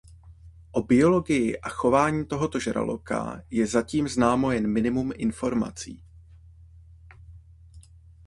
O biologii a chování tohoto žraloka je zatím známo jen minimum informací.